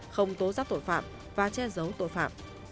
không tố giác tội phạm và che giấu tội phạm